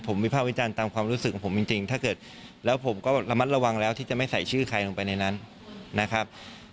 ผมวิภาควิจารณ์ตามความรู้สึกของผมจริงถ้าเกิดแล้วผมก็ระมัดระวังแล้วที่จะไม่ใส่ชื่อใครลงไปในนั้นนะครับ